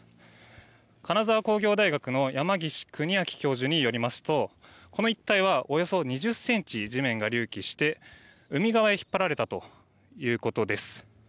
金沢工業大学の山岸邦彰教授によりますとこの一帯はおよそ２０ｃｍ地面が隆起して海側へ引っ張られたということです。